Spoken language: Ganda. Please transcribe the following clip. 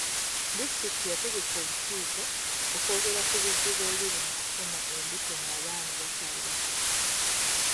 Disitulikiti yategeka olukiiko okwogera ku bizibu ebiri mu kufuna embuto ng'abaana bakyali bato.